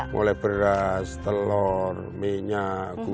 mulai beras telur minyak goreng